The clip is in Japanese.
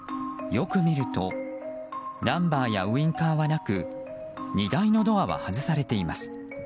よく見るとナンバーやウィンカーはなく荷台のドアは外されています。